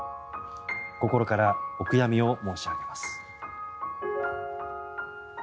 心からお悔やみを申し上げます。